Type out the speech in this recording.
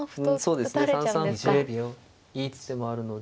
そうですね３三歩打つ手もあるので。